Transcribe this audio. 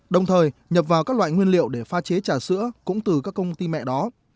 đồng thời nhập vào các loại nguyên liệu để pha chế trà sữa cũng từ các công ty mẹ đó